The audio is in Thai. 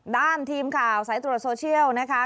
ด้านทีมข่าวสายตรวจโซเชียลนะคะ